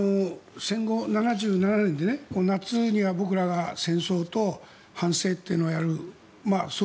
戦後７７年で夏には僕らが戦争と反省というのをやる。